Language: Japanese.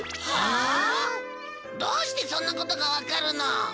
どうしてそんなことがわかるの？